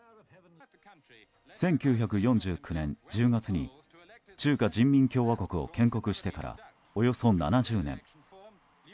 １９４９年１０月に中華人民共和国を建国してから、およそ７０年。